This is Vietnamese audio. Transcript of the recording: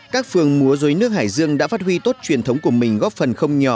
các phường múa dối nước hải dương đã phát huy tốt truyền thống của mình góp phần không nhỏ